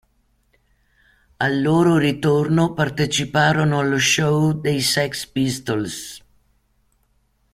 Al loro ritorno, parteciparono allo show dei Sex Pistols.